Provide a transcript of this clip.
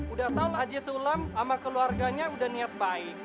udah tau aji sulam sama keluarganya udah niat baik